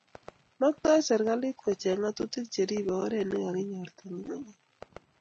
Maktoi kocheng serikalit ngatutik cheribei oret nikakinyorto nyukunyeg